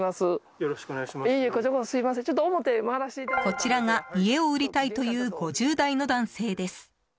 こちらが、家を売りたいという５０代の男性です。